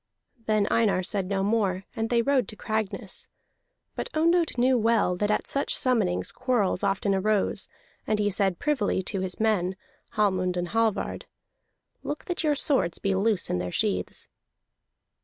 Then Einar said no more, and they rode to Cragness. But Ondott knew well that at such summonings quarrels often arose; and he said privily to his men, Hallmund and Hallvard: "Look that your swords be loose in their sheaths."